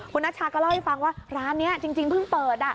คุณนัชชาก็เล่าให้ฟังว่าร้านนี้จริงเพิ่งเปิด